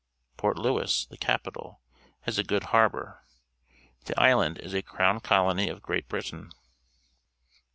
Port Louis, the capital, has a good harbour. The island is a Crown Colony of Great Britain.